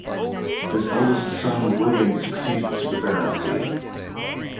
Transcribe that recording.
His eldest son William succeeded to the baronetcy.